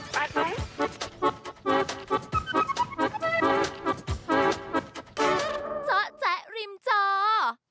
เจ้าแจ๊กริมเจ้า